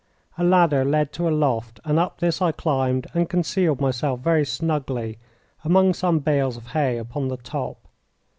A ladder led to a loft, and up this I climbed and concealed myself very snugly among some bales of hay upon the top.